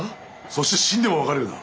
そして死んでも別れるな！